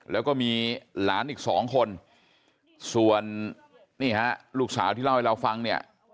แล้วก็มีหลานอีกสองคนส่วนนี่ฮะลูกสาวที่เล่าให้เราฟังเนี่ย